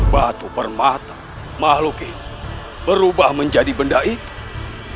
batu permata makhluk ini berubah menjadi benda itu